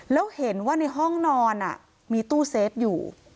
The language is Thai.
แล้วเห็นว่าในห้องนอนมีตู้เซฟอยู่